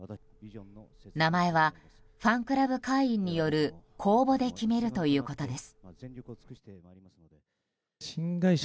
名前はファンクラブ会員による公募で決めるということです。